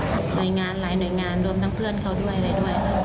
หน่วยงานหลายหน่วยงานรวมทั้งเพื่อนเขาด้วยอะไรด้วย